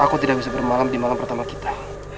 aku tidak bisa bermalam di malam pertama kita